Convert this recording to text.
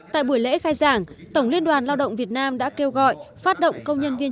tại buổi lễ khai giảng tổng liên đoàn lao động việt nam đã kêu gọi phát động công nhân viên